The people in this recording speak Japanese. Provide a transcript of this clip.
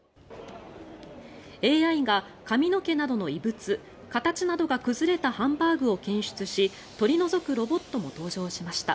ＡＩが髪の毛などの異物形などが崩れたハンバーグを検出し取り除くロボットも登場しました。